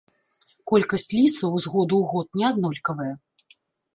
Колькасць лісаў з году ў год неаднолькавая.